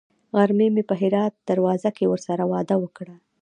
غرمه مې په هرات دروازه کې ورسره وعده وکړه.